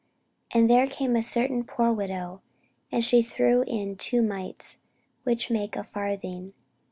And there came a certain poor widow, and she threw in two mites, which make a farthing.